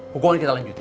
hukuman kita lanjutin